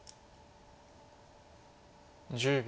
１０秒。